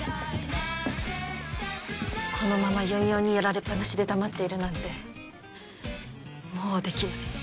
このまま４４にやられっぱなしで黙っているなんてもうできない。